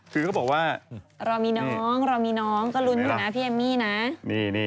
คือเขาบอกว่ารอมีน้องก็รุ้นอยู่นะพี่เอมมี่นะ